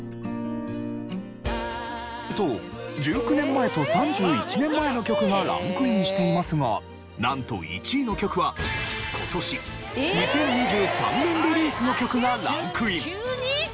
と１９年前と３１年前の曲がランクインしていますがなんと１位の曲は今年２０２３年リリースの曲がランクイン。